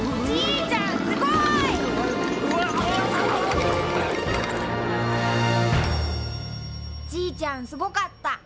じいちゃんすごかった！